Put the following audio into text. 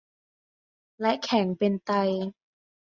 และแข็งเป็นไต